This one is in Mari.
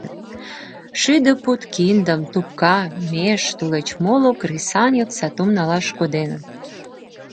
Шӱдӧ пуд киндым, тупка, меж, тулеч моло кресаньык сатум налаш коденыт.